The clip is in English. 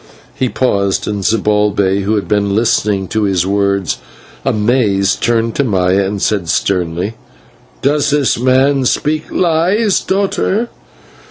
He paused, and Zibalbay, who had been listening to his words amazed, turned to Maya and said sternly: "Does this man speak lies, daughter?"